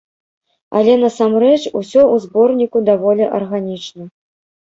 Але насамрэч усё ў зборніку даволі арганічна.